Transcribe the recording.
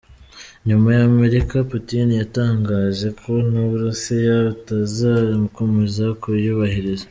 Nyuma y’Amerika, Putin yatangaje ko n’Uburusiya butazakomeza kuyubahiriza.